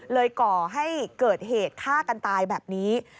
ก่อให้เกิดเหตุฆ่ากันตายแบบนี้